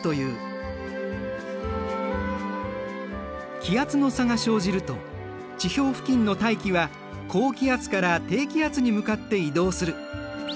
気圧の差が生じると地表付近の大気は高気圧から低気圧に向かって移動する。